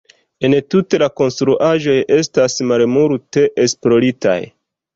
Entute la konstruaĵoj estas malmulte esploritaj.